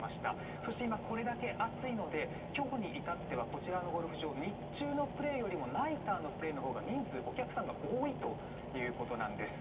そして今これだけ暑いので今日に至ってはこちらのゴルフ場日中のプレーよりナイターのプレーのほうが人数、お客さんが多いということなんです。